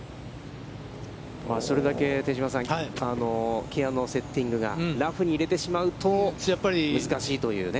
それだけ、手嶋さん、芥屋のセッティングが、ラフに入れてしまうと難しいというね。